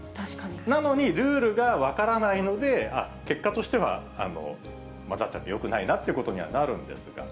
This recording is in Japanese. なのに、ルールが分からないので、あっ、結果としては、混ざっちゃってよくないなっていうことにはなるんですが。